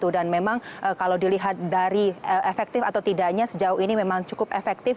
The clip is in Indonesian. dan memang kalau dilihat dari efektif atau tidaknya sejauh ini memang cukup efektif